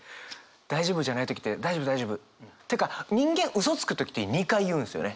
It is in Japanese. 大丈夫じゃない時って「大丈夫大丈夫」。ってか人間うそつく時って２回言うんですよね。